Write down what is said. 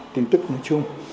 tiên tức nói chung